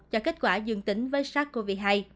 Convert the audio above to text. cho kết quả dương tính với sars cov hai